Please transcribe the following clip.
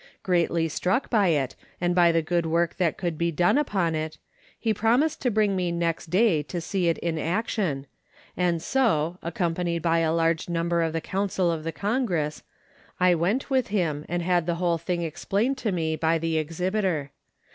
Greatly struck by it and by the good work that could be done upon it, he promised to bring me next day to see it in action, and so, accompanied by a large number of the council of the congress, I went with him and had the whole thing explained to me by the exhibitor.